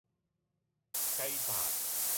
雞扎